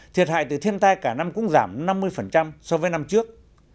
thiệt hại từ thiên tai cả năm cũng giảm năm mươi so với năm trước